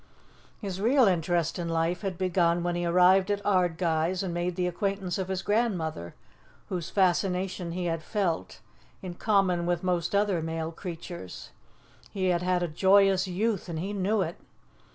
His real interest in life had begun when he arrived at Ardguys and made the acquaintance of his grandmother, whose fascination he had felt, in common with most other male creatures. He had had a joyous youth, and he knew it.